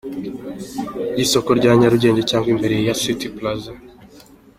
y’isoko rya Nyarugenge cyangwa imbere ya City Plaza.